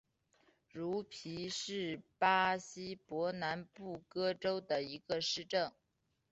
茹皮是巴西伯南布哥州的一个市镇。